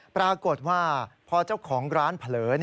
ปรากฏว่าพอเจ้าของร้านเผลอ